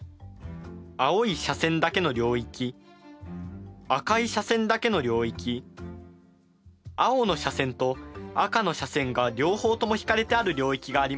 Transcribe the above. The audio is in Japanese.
青い斜線だけの領域赤い斜線だけの領域青の斜線と赤の斜線が両方とも引かれてある領域があります。